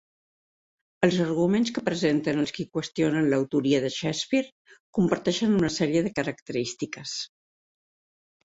Els arguments que presenten els qui qüestionen l'autoria de Shakespeare comparteixen una sèrie de característiques.